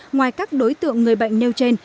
ngoài các đối tượng người bệnh nêu trên